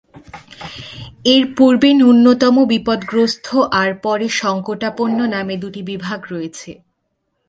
এর পূর্বে ন্যূনতম বিপদগ্রস্ত আর পরে সংকটাপন্ন নামে দুটি বিভাগ রয়েছে।